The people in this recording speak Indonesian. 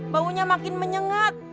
baunya makin menyengat